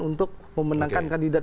untuk memenangkan kandidat